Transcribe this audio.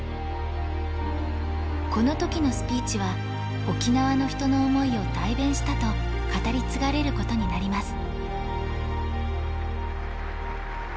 この時のスピーチは沖縄の人の思いを代弁したと語り継がれることになります